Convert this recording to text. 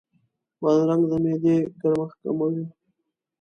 بادرنګ د معدې ګرمښت کموي.